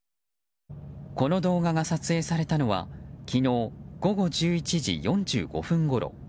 この動画が撮影されたのは昨日午後１１時４５分ごろ。